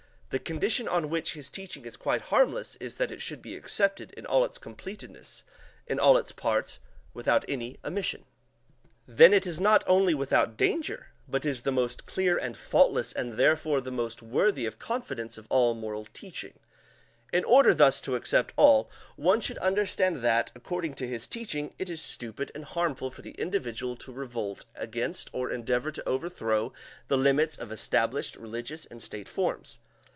The condition on which his teaching is quite harmless is that it should be accepted in all its completeness, in all its parts, without any omission. Then it is not only without danger, but is the most clear and faultless and therefore the most worthy of confidence of all moral teaching" (p. 564). In order thus to accept all, one should understand that, according to his teaching, it is stupid and harmful for the individual to revolt against, or endeavor to overthrow, the limits of established religious and state forms.